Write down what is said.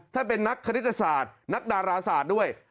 เป็นนักคณิตศาสตร์นักดาราศาสตร์ด้วย